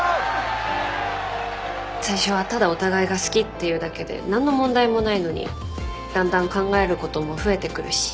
最初はただお互いが好きっていうだけで何の問題もないのにだんだん考えることも増えてくるし。